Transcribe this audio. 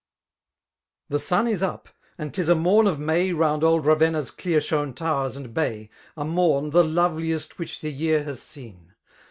Thb sun is up« and 'tis a mom of May Round old Ravenna's dear shewn towers and bay, A mom, the loveliest which the year has s«en.